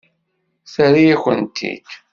Terra-yakent-t-id.